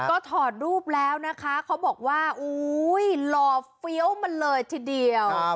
ก็ถอดรูปแล้วนะคะเขาบอกว่าอุ้ยหล่อเฟี้ยวมาเลยทีเดียว